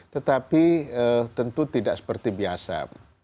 tetapi tentu tidak seperti biasa